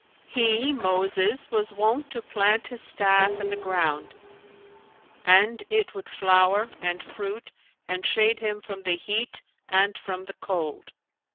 '"[FN#441] "He, Moses, was wont to plant his staff in the ground, and it would flower and fruit and shade him from the heat and from the cold.